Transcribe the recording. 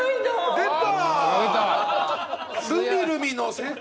出た！